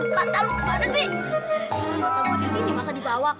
pak gue disini masa dibawa